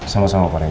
sama sama pak randy